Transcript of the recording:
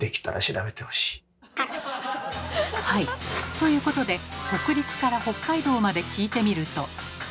ということで北陸から北海道まで聞いてみると。